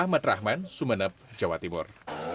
ahmad rahman sumeneb jawa timur